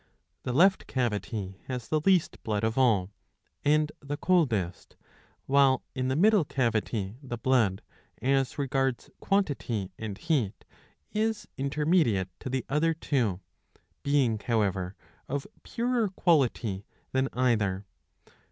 2^ The left cavity has the least blood of all, and the coldest ; while in the middle cavity the blood, as regards quantity and heat, is intermediate to the other two, being however of purer quality than either.